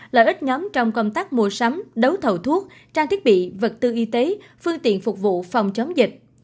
lợi ích nhóm trong công tác mua sắm đấu thầu thuốc trang thiết bị vật tư y tế phương tiện phục vụ phòng chống dịch